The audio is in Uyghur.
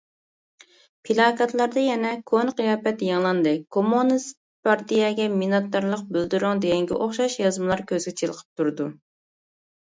پىلاكاتلاردا يەنە: كونا قىياپەت يېڭىلاندى، كوممۇنىست پارتىيەگە مىننەتدارلىق بىلدۈرۈڭ دېگەنگە ئوخشاش يازمىلار كۆزگە چېلىقىپ تۇرىدۇ.